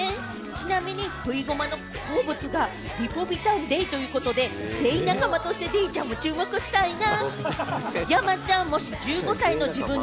ちなみにぶいごまの好物がリポビタンＤということで、Ｄ仲間としてデイちゃんも注目したいな！